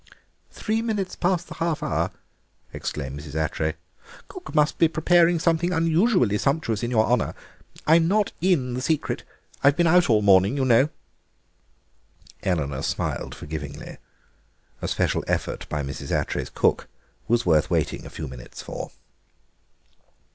"Three minutes past the half hour," exclaimed Mrs. Attray; "cook must be preparing something unusually sumptuous in your honour. I am not in the secret; I've been out all the morning, you know." Eleanor smiled forgivingly. A special effort by Mrs. Attray's cook was worth waiting a few minutes for.